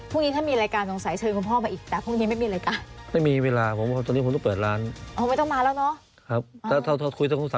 พรุ่งนี้ถ้ามีรายการสงสัยเชิญคุณพ่อมาอีกแต่พรุ่งนี้ไม่มีรายการ